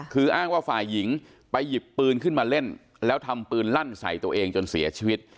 คืออ้างว่าฝ่ายหญิงไปหยิบปืนขึ้นมาเล่นแล้วทำปืนลั่นใส่ตัวเองจนเสียชีวิต